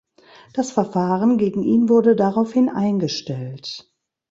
Das Verfahren gegen ihn wurde daraufhin eingestellt.